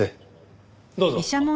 どうぞ。